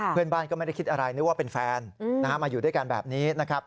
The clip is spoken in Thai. เพื่อนบ้านก็ไม่ได้คิดอะไรนึกว่าเป็นแฟนมาอยู่ด้วยกันแบบนี้นะครับ